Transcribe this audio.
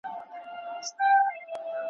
مطالعه یې کړو